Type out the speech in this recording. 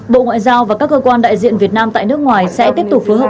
bộ ngoại giao và các cơ quan đại diện việt nam tại nước ngoài sẽ tiếp tục phối hợp